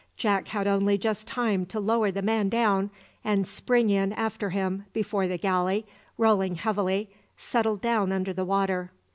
Jack had only just time to lower the man down and spring in after him before the galley, rolling heavily, settled down under the water.